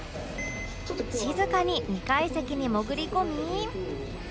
静かに２階席に潜り込み